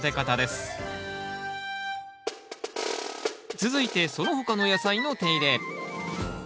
続いてその他の野菜の手入れ。